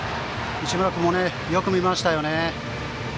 市村君もよく見ましたね。